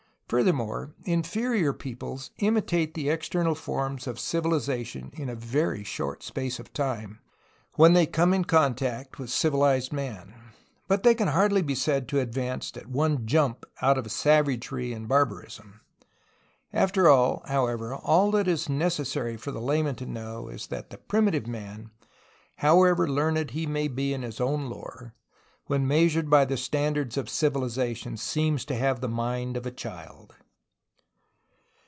Furthermore, inferior peoples imitate the external forms of civilization in a very short space of time, when they come in contact with civilized man, but they can hardly be said to have advanced at one jump out of savagery and barbarism. After all, however, all that it is necessary for the layman to know is that the primitive man, however learned he may be in his own lore, when measured by the standards of civi lization seems to have the mind of a child.